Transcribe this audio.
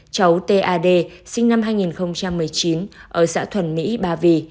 cháu tad sinh năm hai nghìn một mươi chín ở xã thuần mỹ ba vì